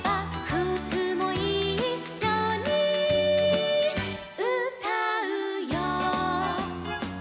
「くつもいっしょにうたうよ」